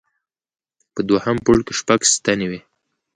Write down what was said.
په دوهم پوړ کې شپږ ستنې وې.